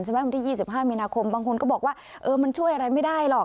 วันที่๒๕มีนาคมบางคนก็บอกว่าเออมันช่วยอะไรไม่ได้หรอก